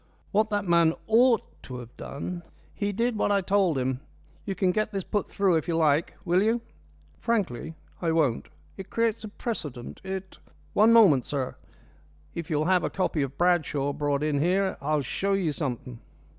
What that man ought to have done " "He did what I told him. You can get this put through if you like. Will you?" "Frankly, I won't. It creates a precedent. It " "One moment, sir. If you'll have a copy of Bradshaw brought in here I'll show you something."